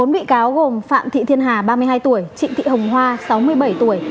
bốn bị cáo gồm phạm thị thiên hà ba mươi hai tuổi trịnh thị hồng hoa sáu mươi bảy tuổi